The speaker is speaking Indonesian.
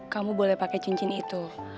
kamu boleh pakai cincin itu